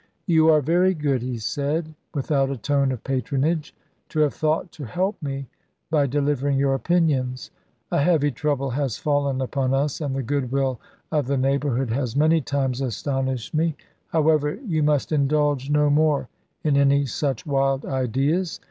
"You are very good," he said, without a tone of patronage, "to have thought to help me by delivering your opinions. A heavy trouble has fallen upon us, and the goodwill of the neighbourhood has many times astonished me. However, you must indulge no more in any such wild ideas.